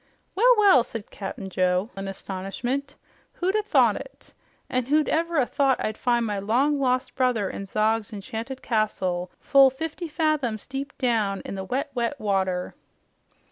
"Well, well," said Cap'n Joe in astonishment. "Who'd o' thought it! An' who'd ever o' thought as I'd find my long lost brother in Zog's enchanted castle full fifty fathoms deep down in the wet, wet water!"